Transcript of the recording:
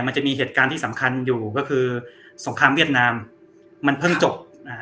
มันจะมีเหตุการณ์ที่สำคัญอยู่ก็คือสงครามเวียดนามมันเพิ่งจบนะฮะ